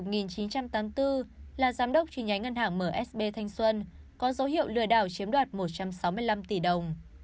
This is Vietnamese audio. là giám đốc truy nhánh ngân hàng msb thanh xuân có dấu hiệu lừa đảo chiếm đoạt một trăm sáu mươi năm tỷ đồng